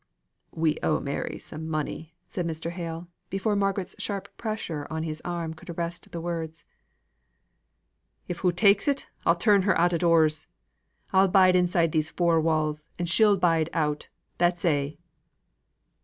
"We owe Mary some money," said Mr. Hale, before Margaret's sharp pressure on his arm could arrest the words. "If hoo takes it, I'll turn her out o' doors. I'll bide inside these four walls, and she'll bide out. That's a'."